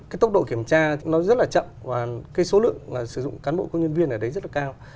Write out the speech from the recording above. cái tốc độ kiểm tra thì nó rất là chậm và cái số lượng sử dụng cán bộ công nhân viên ở đấy rất là cao